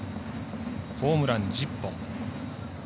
ホームラン１０本。